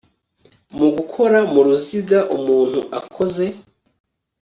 mu gukora mu ruzigaumuntu ukoze